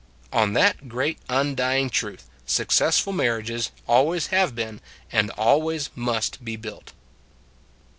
On that great undying truth successful marriages always have been and always must be built.